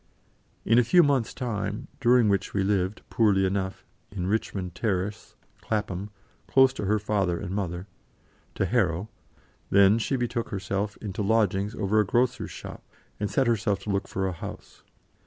In a few months' time during which we lived, poorly enough, in Richmond Terrace, Clapham, close to her father and mother to Harrow, then, she betook herself, into lodgings over a grocer's shop, and set herself to look for a house.